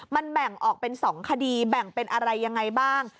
มันแบ่งออกเป็น๒คดีแบ่งเป็นอะไรยังไงบ้าง